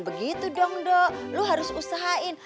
begitu dong dok lo harus usahain